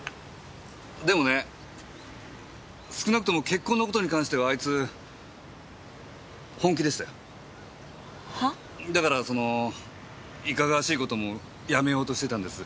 でもね少なくとも結婚の事に関してはあいつ本気でしたよ。は？だからそのいかがわしい事もやめようとしてたんです。